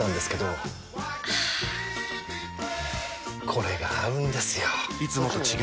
これが合うんですよ！